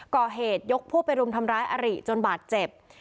ก่อเหตุยกพวกไปรุมทำร้ายอาริจนบาดเจ็บ